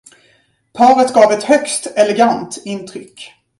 Paret gav ett högst elegant intryck.